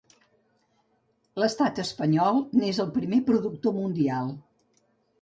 L'estat espanyol n'és el primer productor mundial.